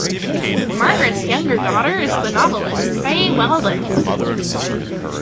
Margaret's younger daughter is the novelist Fay Weldon.